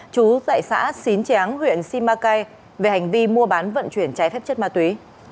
chú tại xã xín tráng huyện simacai về hành vi mua bán vận chuyển trái phép chất ma túy